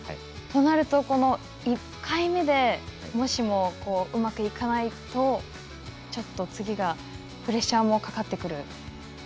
となると、１回目でもしも、うまくいかないとちょっと次がプレッシャーもかかってくる？